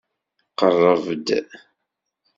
Qerreb-d.